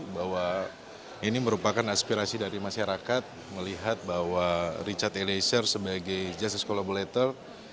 bahwa ini merupakan aspirasi dari masyarakat melihat bahwa richard eliezer sebagai justice collaborator